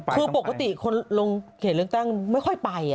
คือปกติคนลงเขตเลือกตั้งไม่ค่อยไป